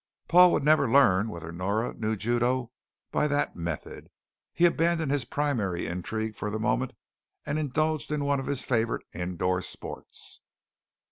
Paul would never learn whether Nora knew Judo by that method. He abandoned his primary intrigue for the moment and indulged in one of his favorite indoor sports.